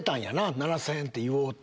７０００円って言おうって。